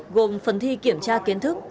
gồm phần thi kiểm tra kiến thức